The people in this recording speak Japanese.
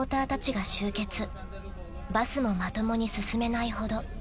［バスもまともに進めないほど］